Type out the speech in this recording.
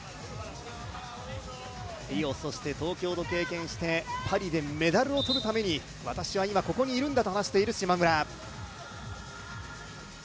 リオ、そして東京と経験してパリでメダルを取るために私は今ここにいるんだと話している島村。